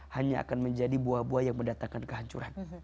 hanya akan menjadi buah buah yang mendatangkan kehancuran